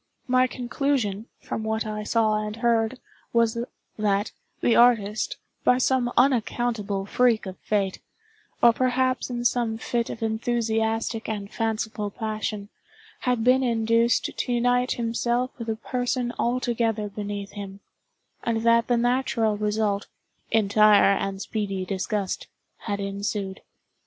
My conclusion, from what I saw and heard, was, that, the artist, by some unaccountable freak of fate, or perhaps in some fit of enthusiastic and fanciful passion, had been induced to unite himself with a person altogether beneath him, and that the natural result, entire and speedy disgust, had ensued.